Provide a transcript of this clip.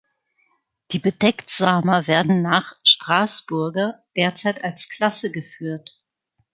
Die Bedecktsamer werden nach "Strasburger" derzeit als Klasse geführt.